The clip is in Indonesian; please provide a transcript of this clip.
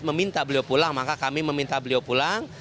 meminta beliau pulang maka kami meminta beliau pulang